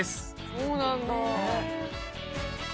「そうなんだ」